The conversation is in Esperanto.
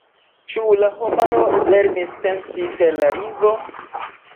Ĉu la homaro lernis pensi per la lingvo?